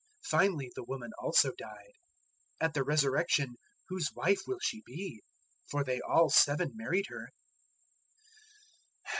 Finally the woman also died. 012:023 At the Resurrection whose wife will she be? For they all seven married her."